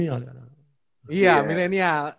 jaman dulu ke jaman